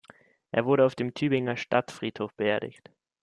Er wurde auf dem Tübinger Stadtfriedhof beerdigt.